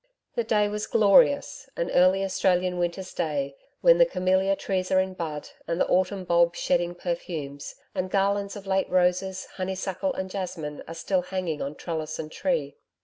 The day was glorious an early Australian winter's day, when the camellia trees are in bud, and the autumn bulbs shedding perfumes, and garlands of late roses, honeysuckle and jasmine are still hanging on trellis and tree.